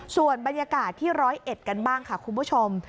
ส่วนบรรยากาศที่๑๐๑กันบ้างค่ะคุณผู้ชม